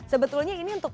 sebetulnya ini untuk